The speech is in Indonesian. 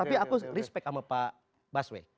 tapi aku respect sama pak busway